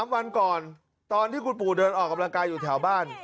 ๓วันก่อนตอนที่คุณปู่เดินออกกำลังกายอยู่แถวบ้าน